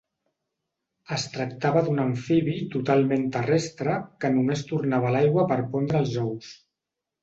Es tractava d'un amfibi totalment terrestre que només tornava a l'aigua per pondre els ous.